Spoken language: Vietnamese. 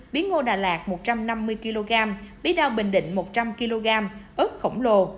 bí ngô đà lạt một trăm năm mươi kg bí đao bình định một trăm linh kg ớt khổng lồ